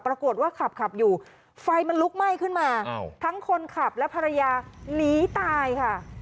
ปรากฏว่าขับขับอยู่ไฟมันลุกไหม้ขึ้นมาทั้งคนขับและภรรยาหนีตายค่ะ